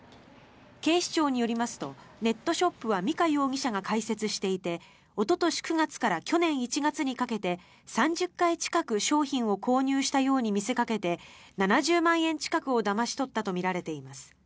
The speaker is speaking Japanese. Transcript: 警視庁によりますとネットショップは美香容疑者が開設していておととし９月から去年１月にかけて３０回近く商品を購入したように見せかけて７０万円近くをだまし取ったとみられています。